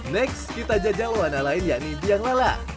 next kita jajal warna lain yakni biang lala